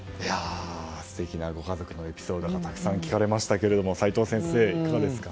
素敵なご家族のエピソードがたくさん聞かれましたが齋藤先生、いかがですか？